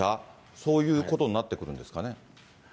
そういうことになってくるんですかね？